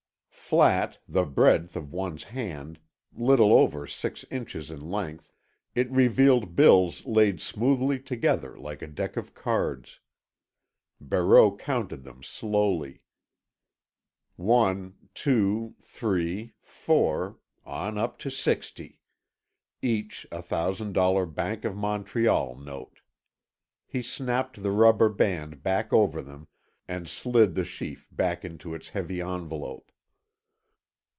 Flat, the breadth of one's hand, little over six inches in length, it revealed bills laid smoothly together like a deck of cards. Barreau counted them slowly. One—two—three—four—on up to sixty; each a thousand dollar Bank of Montreal note. He snapped the rubber band back over them and slid the sheaf back into its heavy envelope.